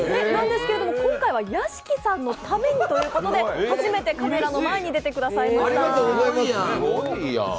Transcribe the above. なんですけど、今回は屋敷さんのためにということで初めてカメラの前に出てくださいました。